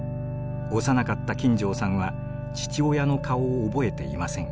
幼かった金城さんは父親の顔を覚えていません。